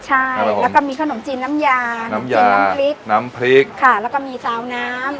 ใช่แล้วก็มีขนมจีนน้ำยาน้ำเย็นน้ำพริกน้ำพริกค่ะแล้วก็มีซาวน้ำ